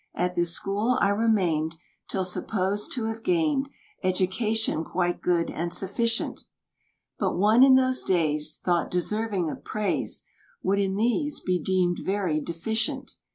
At this school I remained Till supposed to have gained Education quite good and sufficient; But one in those days, Thought deserving of praise, Would in these, be deemed very deficient.